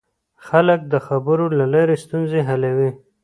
خلک د خبرو له لارې ستونزې حلوي